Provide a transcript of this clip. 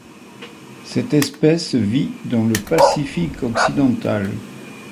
Cette espèce vit dans le Pacifique occidental.